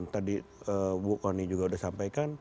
tadi bu kony juga sudah sampaikan